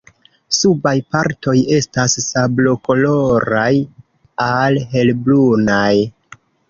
Subaj partoj estas sablokoloraj al helbrunaj.